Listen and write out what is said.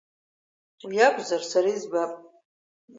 Уи акәзар сара избап…